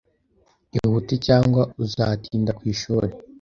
Ihute, cyangwa uzatinda ku ishuri.